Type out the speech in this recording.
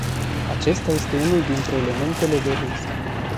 Acesta este unul dintre elementele de risc.